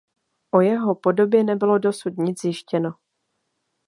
O jeho podobě nebylo dosud nic zjištěno.